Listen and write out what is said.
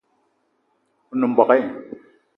O nem mbogue